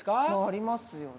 ありますよね。